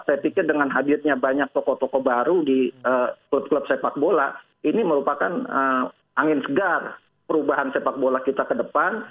saya pikir dengan hadirnya banyak tokoh tokoh baru di klub klub sepak bola ini merupakan angin segar perubahan sepak bola kita ke depan